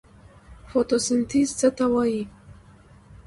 فوتوسنتیز څه ته وایي؟